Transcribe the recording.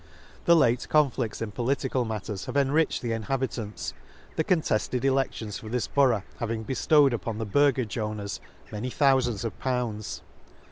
— The late conflicts in political matters have enriched the inhabitants, the contefted eledlion for this Borough having bellowed upon the burgage owners many thoufands of pounds.